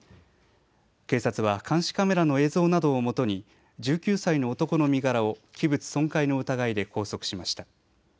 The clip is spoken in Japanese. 警察は監視カメラの映像などをもとに１９歳の男の身柄を器物損壊の疑いで拘束しました。